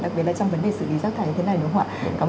đặc biệt là trong vấn đề xử lý rác thải như thế này đúng không ạ